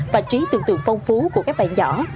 và trí tưởng tượng phong phú của các bạn nhỏ